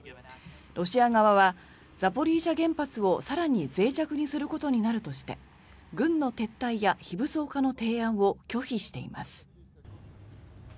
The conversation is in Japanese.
ロシア側はザポリージャ原発をさらに脆弱にすることになるとして軍の撤退や非武装化の提案を拒否しています。